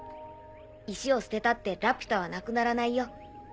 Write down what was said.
石を捨てたってラピュタはなくならないよ。